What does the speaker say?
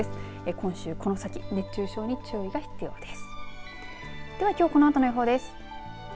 今週この先熱中症に注意が必要です。